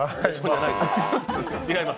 違います。